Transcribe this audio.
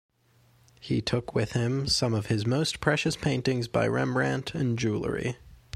He took with him some of his most precious paintings by Rembrandt and jewellery.